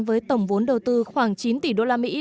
với tổng vốn đầu tư khoảng chín tỷ đô la mỹ